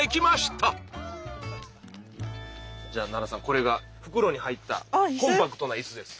じゃあ奈良さんこれが袋に入ったコンパクトな椅子です。